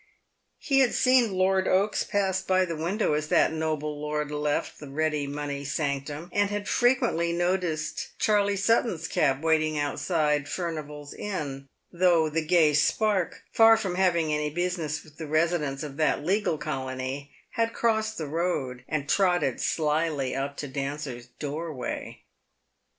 He had seen Lord Oaks pass by the window as that noble lord left the ready money sanctum, and had frequently noticed Charley Sutton's cab waiting outside Furnival's Inn, though the gay spark, far from having any business with the residents of that legal colony, had crossed the road, and trotted slyly up to Dancer's doorway.